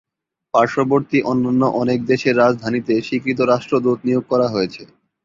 পার্শ্ববর্তী অন্যান্য অনেক দেশের রাজধানীতে স্বীকৃত রাষ্ট্রদূত নিয়োগ করা রয়েছে।